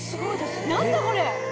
何だこれ！